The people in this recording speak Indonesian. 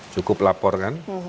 cukup lapor kan